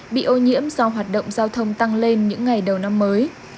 bị ô nhiễm do hoạt động giao thông tăng lên những ngày đầu năm mới